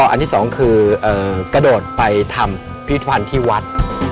อันที่สองคือกระโดดไปทำพิธภัณฑ์ที่วัด